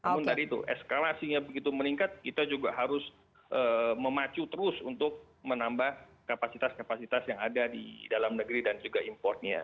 namun tadi itu eskalasinya begitu meningkat kita juga harus memacu terus untuk menambah kapasitas kapasitas yang ada di dalam negeri dan juga importnya